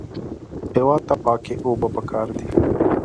هېواد ته پاکې اوبه پکار دي